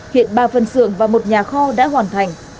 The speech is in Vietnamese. hiện ba phân xưởng và một nhà kho đã hoàn thành